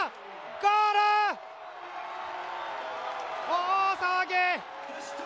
大騒ぎ！